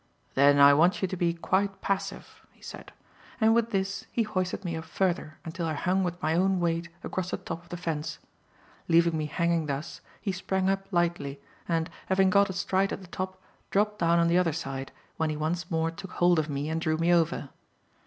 "Then I want you to be quite passive," he said, and with this, he hoisted me up further until I hung with my own weight across the top of the fence. Leaving me hanging thus, he sprang up lightly, and, having got astride at the top, dropped down on the other side, when he once more took hold of me and drew me over.